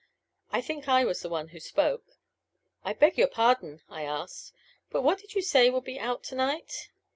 I think I was the one who spoke. "I beg your pardon," I asked, "but what did you say would be out to night?"